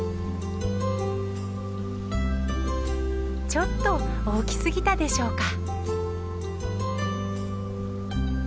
ちょっと大きすぎたでしょうか。